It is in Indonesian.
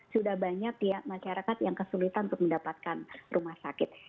sudah banyak ya masyarakat yang kesulitan untuk mendapatkan rumah sakit